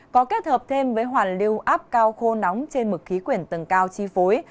có kết hợp thêm với hoàn lưu áp cao khô nóng trên mực khí quyển tầng cao chi phối